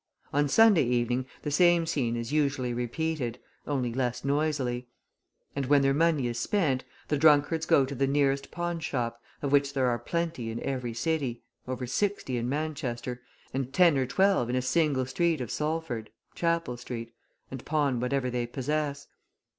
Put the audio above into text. On Sunday evening the same scene is usually repeated, only less noisily. And when their money is spent, the drunkards go to the nearest pawnshop, of which there are plenty in every city over sixty in Manchester, and ten or twelve in a single street of Salford, Chapel Street and pawn whatever they possess.